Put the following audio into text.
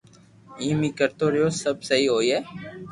ايم اي ڪرتو رھيو سب سھي ھوئي